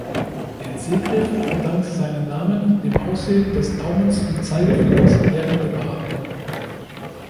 Der C-Griff verdankt seinen Namen dem Aussehen des Daumens und Zeigefingers während der Beatmung.